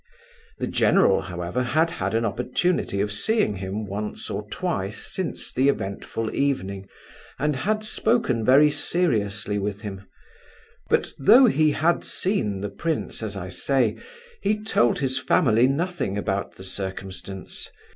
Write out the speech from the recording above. The general, however, had had an opportunity of seeing him once or twice since the eventful evening, and had spoken very seriously with him; but though he had seen the prince, as I say, he told his family nothing about the circumstance.